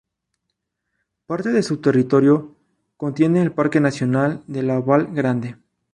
Parte de su territorio contiene al Parque Nacional de la Val Grande.